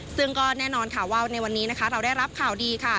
ซึ่งก็แน่นอนค่ะว่าในวันนี้นะคะเราได้รับข่าวดีค่ะ